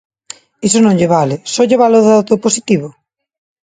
Iso non lle vale, ¿só lle vale o dato positivo?